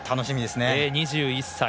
２１歳。